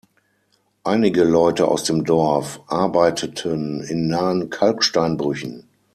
Einige Leute aus dem Dorf arbeiteten in nahen Kalksteinbrüchen.